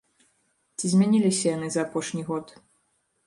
Ці змяніліся яны за апошні год?